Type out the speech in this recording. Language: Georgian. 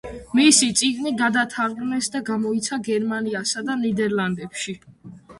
მისი წიგნი გადათარგმნეს და გამოიცა გერმანიასა და ნიდერლანდებში.